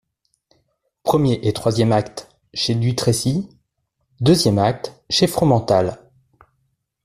Premier et troisième acte, chez Dutrécy ; deuxième acte, chez Fromental.